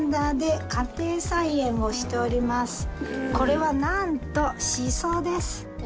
うちのこれはなんとシソです。